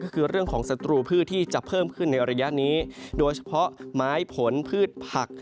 ก็คือเรื่องของศัตรูพืชที่จะเพิ่มขึ้นในระยะนี้โดยเฉพาะไม้ผลพืชผัก